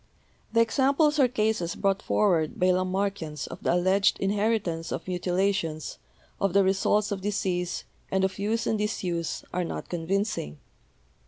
The examples or cases brought forward by Lamarckians of the alleged inheritance of mutilations, of the results of disease, and of use and disuse, are not convincing.